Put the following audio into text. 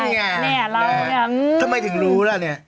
นั่นไงนั่นไงถ้าไม่ถึงรู้แล้วเนี่ยอืม